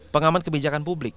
pengaman kebijakan publik